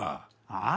ああ？